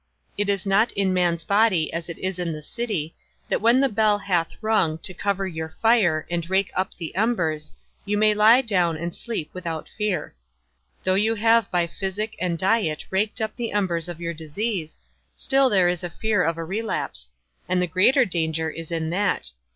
It is not in man's body, as it is in the city, that when the bell hath rung, to cover your fire, and rake up the embers, you may lie down and sleep without fear. Though you have by physic and diet raked up the embers of your disease, still there is a fear of a relapse; and the greater danger is in that.